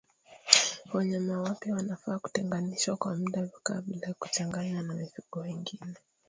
Wanyama wapya wanafaa kutenganishwa kwa muda kabla ya kuchanganywa na mifugo wengine